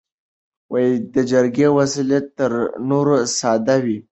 د جګړې وسلې تر نورو ساده وې.